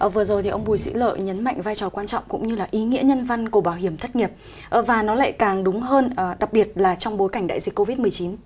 vừa rồi thì ông bùi sĩ lợi nhấn mạnh vai trò quan trọng cũng như là ý nghĩa nhân văn của bảo hiểm thất nghiệp và nó lại càng đúng hơn đặc biệt là trong bối cảnh đại dịch covid một mươi chín